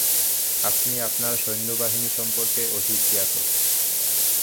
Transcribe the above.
আপনি আপনার সৈন্য বাহিনী সম্পর্কে অধিক জ্ঞাত।